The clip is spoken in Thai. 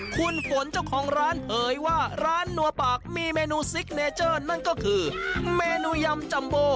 คุณฝนเจ้าของร้านเผยว่าร้านนัวปากมีเมนูซิกเนเจอร์นั่นก็คือเมนูยำจัมโบ